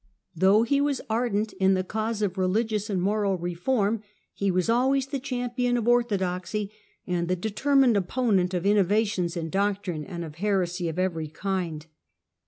Though he was ardent in the cause of religious and moral reform, he was always the champion of orthodoxy and the determined opponent of innovations in doctrine, and of heresy of every kind.